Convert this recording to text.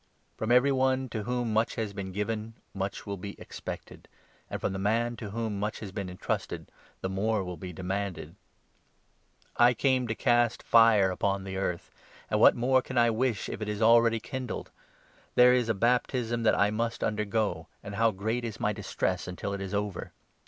From every one to whom much has been given much will be expected, and from the man to whom much has been entrusted the more will be demanded. I came 49 The cost to cast ^re uPon the eai"th ; and what more can o* Christ's I wish, if it is already kindled ? There is a 50 service, baptism that I must undergo, and how great is my distress until it is over